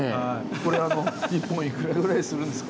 これ１本いくらぐらいするんですか？